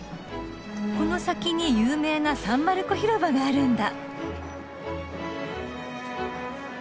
この先に有名なサン・マルコ広場があるんだ。